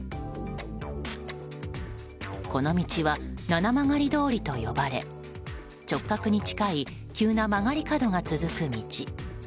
この道は、七曲通りと呼ばれ直角に近い急な曲がり角が続く道。